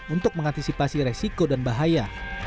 untuk mengantisipasi resiko dan bahaya